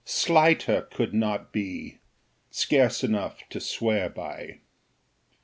Slighter could not be scarce enough to swear by.